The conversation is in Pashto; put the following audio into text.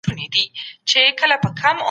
هیوادونه د معارف په برخه کي خپلي تجربې شریکوي.